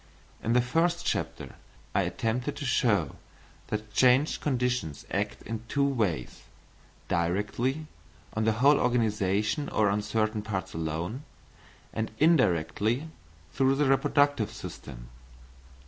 In the first chapter I attempted to show that changed conditions act in two ways, directly on the whole organisation or on certain parts alone, and indirectly through the reproductive system.